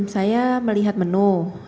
saya melihat menu